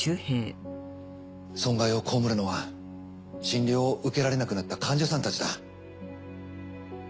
損害を被るのは診療を受けられなくなった患者さんたちだ。